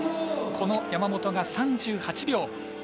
この山本が３８秒。